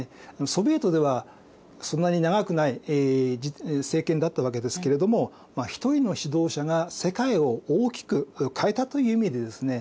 ソビエトではそんなに長くない政権だったわけですけれども一人の指導者が世界を大きく変えたという意味でですね